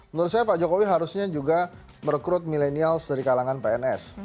menurut saya pak jokowi harusnya juga merekrut milenials dari kalangan pns